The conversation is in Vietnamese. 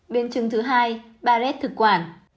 biến chứng thứ hai ba rết thực quản